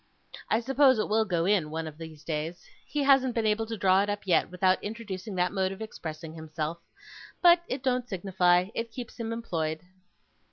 I suppose it will go in, one of these days. He hasn't been able to draw it up yet, without introducing that mode of expressing himself; but it don't signify; it keeps him employed.